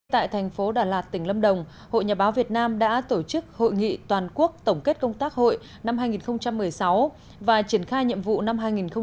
tại thành phố đà lạt tỉnh lâm đồng hội nhà báo việt nam đã tổ chức hội nghị toàn quốc tổng kết công tác hội năm hai nghìn một mươi sáu và triển khai nhiệm vụ năm hai nghìn một mươi chín